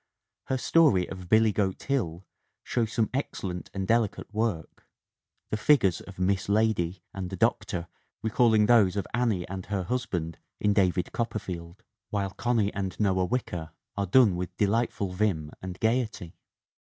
Her story of Billy Goat Hill shows some 3iS THE WOMEN WHO MAKE OUR NOVELS excellent and delicate work, the figures of 'Miss Lady* and the Doctor recalling those of Annie and her hus band in David Copperfield, while Connie and Noah Wicker are done with delightful vim and gayety.